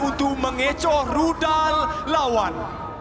untuk mengecoh rudal lawan